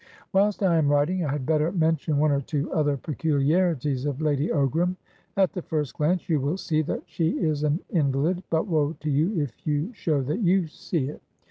"Whilst I am writing, I had better mention one or two other peculiarities of Lady Ogram. At the first glance you will see that she is an invalid, but woe to you if you show that you see it.